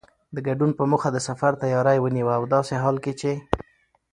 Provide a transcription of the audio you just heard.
د ګډون په موخه د سفر تیاری ونیوه او داسې حال کې چې